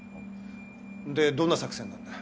でどんな作戦なんだ？